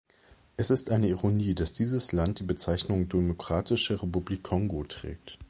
Es ist eine Ironie, dass dieses Land die Bezeichnung Demokratische Republik Kongo trägt.